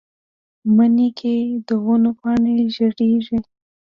مني کې د ونو پاڼې ژیړیږي